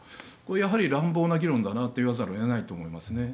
やはり乱暴な議論だと言わざるを得ないと思いますね。